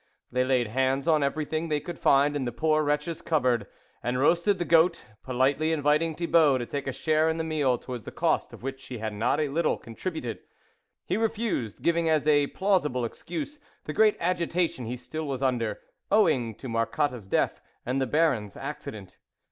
They laid hands on everything they could find in the poor wretch's cup board, and roasted the goat, politely in viting Thibault to take a share in the meal towards the cost of which he had not a little contributed. He refused, giving as a plausible excuse, the great agitation he still was under, owing to Marcotte's death and the Baron's acci dent.